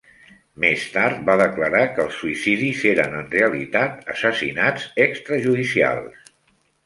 Més tard va declarar que els suïcidis eren en realitat assassinats extrajudicials.